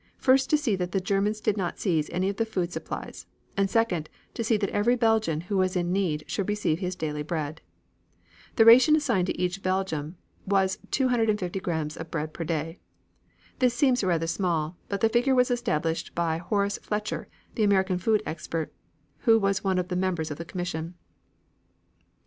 First, to see that the Germans did not seize any of the food supplies, and second, to see that every Belgian who was in need should receive his daily bread. The ration assigned to each Belgian was 250 grams of bread per day. This seems rather small, but the figure was established by Horace Fletcher, the American food expert, who was one of the members of the commission.